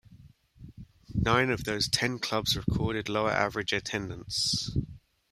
Nine of those ten clubs recorded lower average attendance.